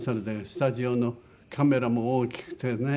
スタジオのカメラも大きくてね。